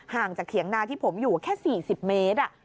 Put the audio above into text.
ห่างจากเถียงนาที่ผมอยู่แค่๔๐เมตร